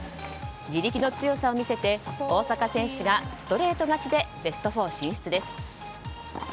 自力の強さを見せて大坂選手がストレート勝ちでベスト４進出です。